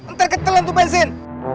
ntar ketelan tuh bensin